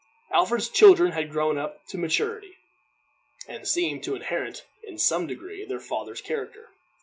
Alfred's children had grown up to maturity, and seemed to inherit, in some degree, their father's character.